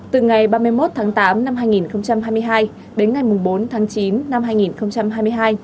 từ ngày ba mươi một tháng tám năm hai nghìn hai mươi hai đến ngày bốn tháng chín năm hai nghìn hai mươi hai